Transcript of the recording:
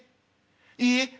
いいえ。